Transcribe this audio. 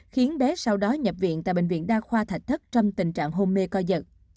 khiến bé sau đó nhập viện tại bệnh viện đa khoa thạch thất trong tình trạng hôn mê co giật